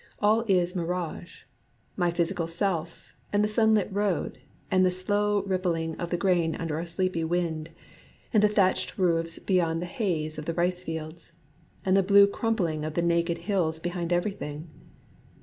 All is mirage, — my physical self, and the sunlit road, and the slow rippling of the grain under a sleepy wind, and the thatched roofs beyond the haze of the rice fields, and the blue crumpling of the naked hills behind everything.